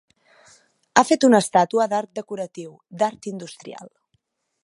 Ha fet una estàtua d'art decoratiu, d'art industrial…